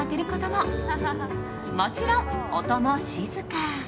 もちろん、音も静か。